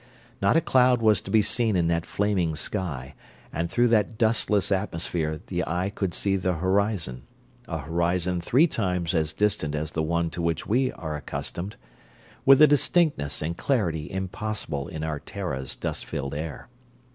Not a cloud was to be seen in that flaming sky, and through that dustless atmosphere the eye could see the horizon a horizon three times as distant as the one to which we are accustomed with a distinctness and clarity impossible in our Terra's dust filled air.